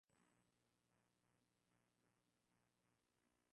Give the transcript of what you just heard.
meli ya titanic iliendelea kuzama